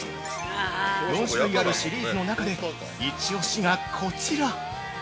４種類あるシリーズの中で、イチオシがこちら。